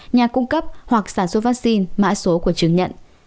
nhà cung cấp hoặc sản xuất vaccine mã số của chứng nhận